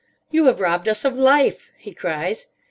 "You have robbed us of Life," he cries.